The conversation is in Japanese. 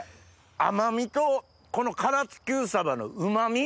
甘みとこの唐津Ｑサバのうま味。